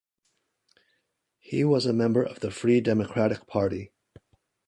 He was a member of the Free Democratic Party.